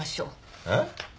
えっ？